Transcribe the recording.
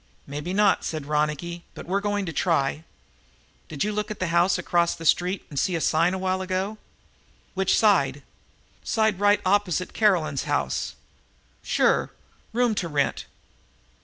"Maybe not," said Ronicky Doone, "but we're going to try. Did you look across the street and see a sign a while ago?" "Which side?" "Side right opposite Caroline's house." "Sure. 'Room To Rent.'"